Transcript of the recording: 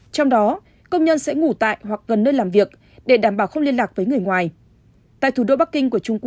trong đó công nhân sẽ ngủ tại hoặc gần nơi làm việc để đảm bảo không liên lạc với người ngoài